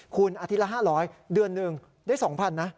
คุณอาทิตย์ละ๕๐๐เดือนหนึ่งได้๒๐๐๐นะ